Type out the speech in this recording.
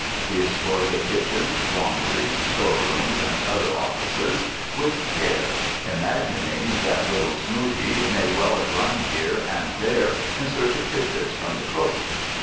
We explored the kitchens, laundries, store rooms, and other "offices" with care, imagining that little "Smoutie" may have run here and there in search of tid bits from the cook.